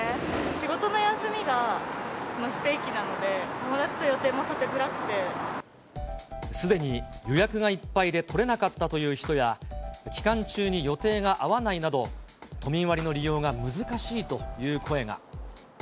仕事の休みが不定期なので、すでに予約がいっぱいで取れなかったという人や、期間中に予定が合わないなど、都民割の利用が難しいという声が。